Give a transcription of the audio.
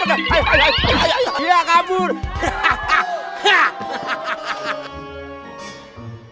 cak dikabut hihihi